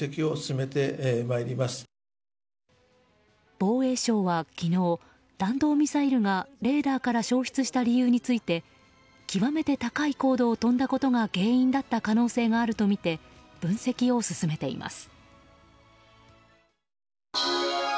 防衛省は昨日、弾道ミサイルがレーダーから消失した理由について極めて高い高度を飛んだことが原因だった可能性があるとみて分析を進めています。